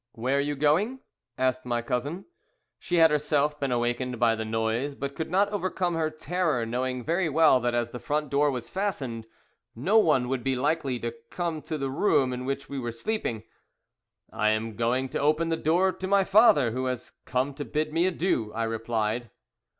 "'Where are you going?' asked my cousin. "She had herself been awakened by the noise, but could not overcome her terror, knowing very well that as the front door was fastened no one would be likely to come to the room in which we were sleeping. "'I am going to open the door to my father, who has come to bid me adieu,' I replied.